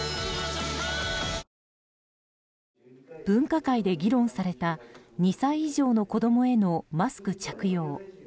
分科会で議論された２歳以上の子供へのマスク着用。